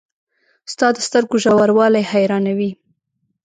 • ستا د سترګو ژوروالی حیرانوي.